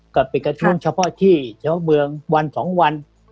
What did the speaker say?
ก็เป็นประท้วงเฉพาะที่เฉพาะเมืองวัน๒วัน